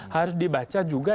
harus dibaca juga